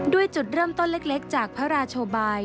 จุดเริ่มต้นเล็กจากพระราชบาย